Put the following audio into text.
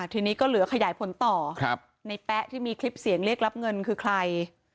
ทีนี้ก็เหลือขยายผลต่อในแป๊ะที่มีคลิปเสียงเรียกรับเงินคือใคร